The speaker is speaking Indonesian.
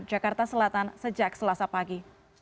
jakarta selatan sejak selasa pagi